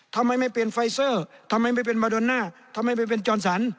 ทำไมไม่เปลี่ยนไฟเซอร์ทำไมไม่เป็นมาโดน่าทำไมไปเป็นจอนสัน